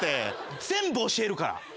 全部教えるから。